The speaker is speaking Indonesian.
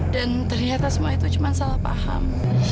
dan ternyata semua itu cuman salah paham